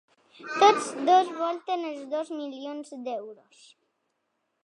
Tots dos volten els dos milions d’euros.